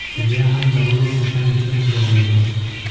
خو بیا هم د غلو په شانې پټ غږېدو.